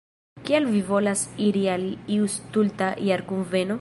Kial vi volas iri al iu stulta jarkunveno?